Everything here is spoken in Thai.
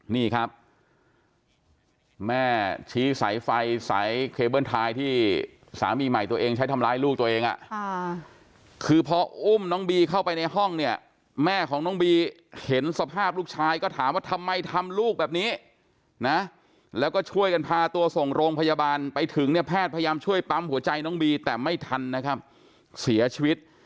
นี่ครับแม่ชี้สายไฟสายเคเบิ้ลไทยที่สามีใหม่ตัวเองใช้ทำร้ายลูกตัวเองคือพออุ้มน้องบีเข้าไปในห้องเนี่ยแม่ของน้องบีเห็นสภาพลูกชายก็ถามว่าทำไมทำลูกแบบนี้นะแล้วก็ช่วยกันพาตัวส่งโรงพยาบาลไปถึงเนี่ยแพทย์พยายามช่วยปั๊มหัวใจน้องบีแต่ไม่ทันนะครับเสียชีวิต